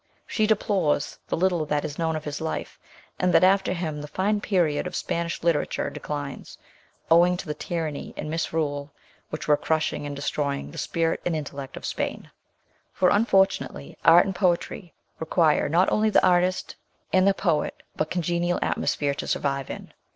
She deplores the little that is known of his life, and that after him the fine period of Spanish literature declines, owing to the tyranny and misrule which were crushing and destroying the spirit and intellect of Spain ; for, un fortunately, art and poetry require not only the artist and the poet, but congenial atmosphere to survive in.